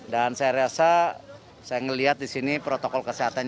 dan saya rasa saya melihat di sini protokol kesehatan